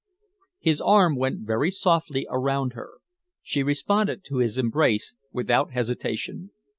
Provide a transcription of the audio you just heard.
His arm went very softly around her. She responded to his embrace without hesitation.